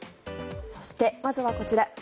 そして、まずはこちら。